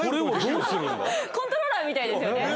コントローラーみたいですよね。